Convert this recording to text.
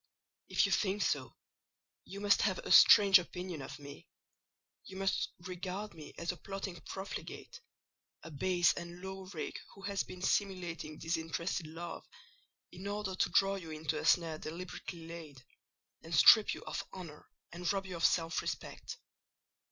"If you think so, you must have a strange opinion of me; you must regard me as a plotting profligate—a base and low rake who has been simulating disinterested love in order to draw you into a snare deliberately laid, and strip you of honour and rob you of self respect.